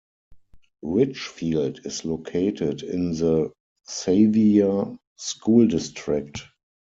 Richfield is located in the Sevier School District.